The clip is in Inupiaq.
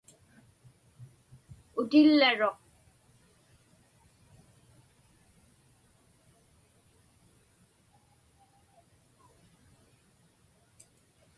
Utillaruq.